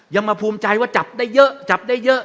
ยังมาภูมิใจว่าจับได้เยอะจับได้เยอะ